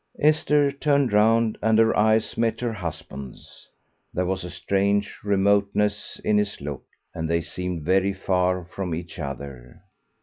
Esther turned round and her eyes met her husband's. There was a strange remoteness in his look, and they seemed very far from each other.